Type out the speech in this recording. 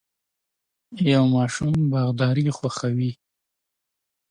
یو ماشوم باغداري خوښوي.